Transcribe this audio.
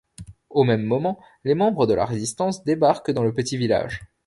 Au même moment, les membres de la Résistance débarquent dans le petit village.